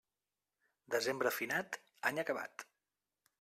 Desembre finat, any acabat.